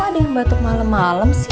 kok ada yang batuk malem malem sih